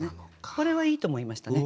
これはいいと思いましたね。